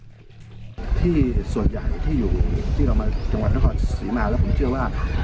ที่ส่วนใหญ่ที่อยู่ที่เรามาจังหวัดนครศรีมาแล้วผมเชื่อว่า